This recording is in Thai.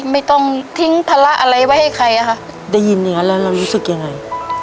ไม่ต้องทิ้งภาระอะไรไว้ให้ใครอะค่ะได้ยินอย่างนั้นแล้วเรารู้สึกยังไง